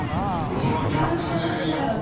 驚きだったね。